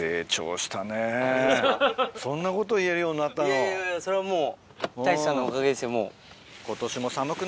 いやいやそれはもう。